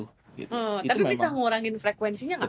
tapi bisa mengurangi frekuensinya gak